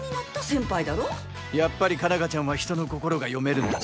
やっぱり佳奈花ちゃんは人の心が読めるんだね。